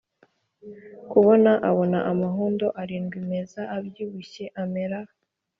Kubona abona amahundo arindwi meza abyibushye amera